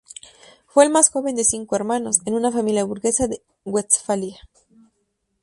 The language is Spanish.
Fue el más joven de cinco hermanos, en una familia burguesa de Westfalia.